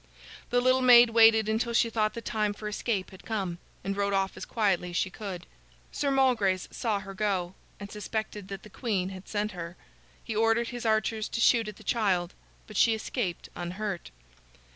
The little maid waited until she thought the time for escape had come, and rode off as quietly as she could. Sir Malgrace saw her go, and suspected that the queen had sent her. He ordered his archers to shoot at the child, but she escaped unhurt.